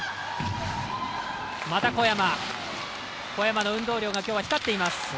小山の運動量がきょうは光っています。